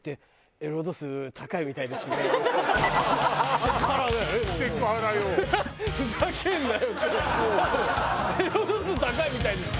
「エロ度数高いみたいですね」